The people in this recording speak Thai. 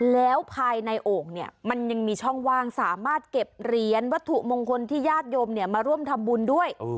แล้วภายในโอ่งเนี่ยมันยังมีช่องว่างสามารถเก็บเหรียญวัตถุมงคลที่ญาติโยมมาร่วมทำบุญด้วย